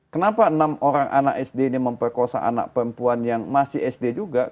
kenapa enam orang anak sd ini memperkosa anak perempuan yang masih sd juga